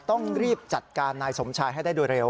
ต้องรีบจัดการนายสมชายให้ได้โดยเร็ว